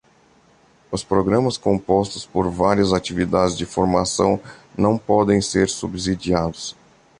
Os programas compostos por várias atividades de formação não podem ser subsidiados.